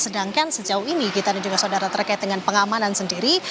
dan sejauh ini kita ada juga saudara terkait dengan pengamanan sendiri